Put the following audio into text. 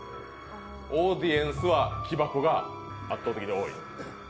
オーディエンスは木箱が圧倒的に多い。